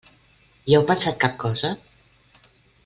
Hi heu pensat cap cosa?